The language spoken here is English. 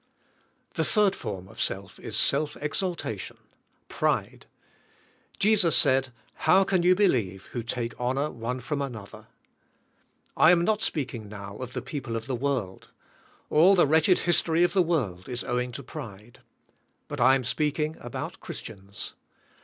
The third form of self is self exaltation, pride. Jesus said, *'How can ye believe, who take honor one from another." I am not speaking now of the people of the world. All the wretched history of the world is owing to pride. But I am speaking about Christians.